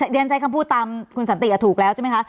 เรียนใช้คำพูดตามคุณสันติถูกแล้วใช่ไหมคะ